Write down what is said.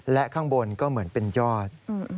และข้างบนก็เหมือนเป็นยอด